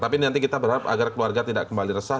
tapi nanti kita berharap agar keluarga tidak kembali resah